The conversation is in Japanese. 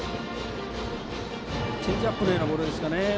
チェンジアップのようなボールですかね。